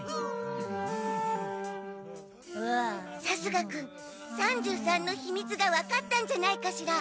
サスガくん３３の秘密がわかったんじゃないかしら。